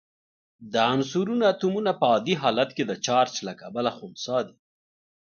د عنصرونو اتومونه په عادي حالت کې د چارج له کبله خنثی دي.